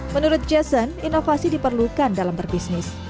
menurut jason inovasi diperlukan dalam berbisnis